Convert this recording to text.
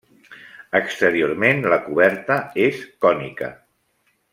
Exteriorment la coberta és cònica.